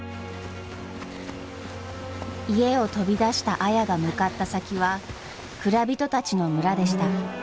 家を飛び出した綾が向かった先は蔵人たちの村でした。